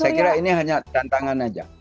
saya kira ini hanya tantangan saja